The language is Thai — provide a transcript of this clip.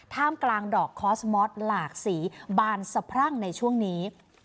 ท่ามกลางดอกคอสมอสหลากสีบานสะพรั่งในช่วงนี้